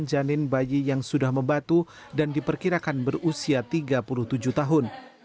janin bayi yang sudah membatu dan diperkirakan berusia tiga puluh tujuh tahun